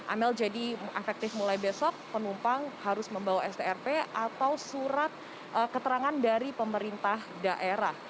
amel jadi efektif mulai besok penumpang harus membawa strp atau surat keterangan dari pemerintah daerah